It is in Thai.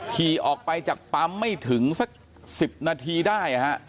ขี่ออกไปจากปั๊มไม่ถึงสัก๑๐นาทีได้